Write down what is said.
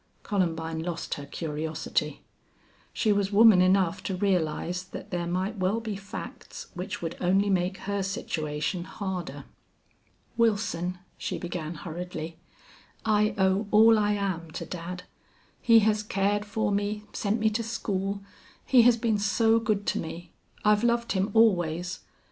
Columbine lost her curiosity. She was woman enough to realize that there might well be facts which would only make her situation harder. "Wilson," she began, hurriedly, "I owe all I am to dad. He has cared for me sent me to school. He has been so good to me. I've loved him always.